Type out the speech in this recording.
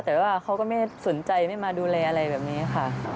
แต่ว่าเขาก็ไม่สนใจไม่มาดูแลอะไรแบบนี้ค่ะ